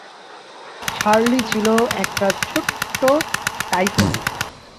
Shirley ছিল একটা ছোট্ট টাইফুন।